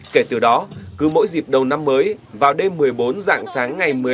kể từ đó cứ mỗi dịp đầu năm mới vào đêm một mươi bốn dạng sáng ngày một mươi năm